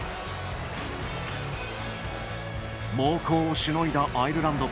猛攻をしのいだアイルランド。